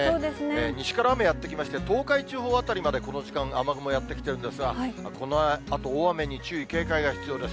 西から雨やって来まして、東海地方辺りまでこの時間、雨雲やって来てるんですが、このあと大雨に注意、警戒が必要です。